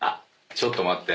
ちょっと待って。